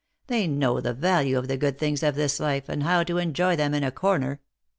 They know the value of the good things of this life, and how to enjoy them in a corner."